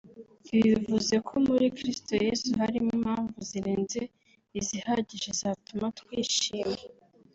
Ibi bivuze ko muri Kristo Yesu harimo impamvu zirenze izihagije zatuma twishima